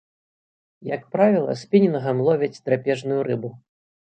Як правіла, спінінгам ловяць драпежную рыбу.